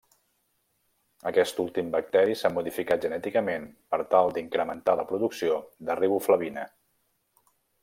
Aquest últim bacteri s'ha modificat genèticament per tal d'incrementar la producció de riboflavina.